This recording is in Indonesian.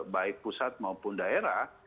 baik pusat maupun daerah